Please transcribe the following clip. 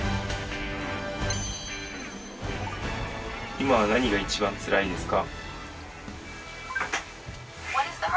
今は何が一番つらいですか？